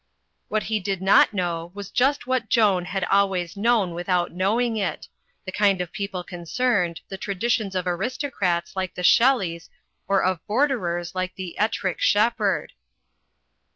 What he did not know was just what Joan had always known without knowing it: the kind of people concerned, the traditions of aristocrats like the Shelleys or of Borderers like the Ettrick Shepherd.